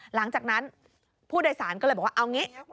หลังจากนั้นผู้โดยสารก็เลยบอกว่าเอางี้